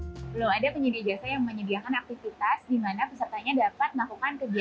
belum ada penyedia jasa yang menyediakan aktivitas di mana pesertanya dapat melakukan kegiatan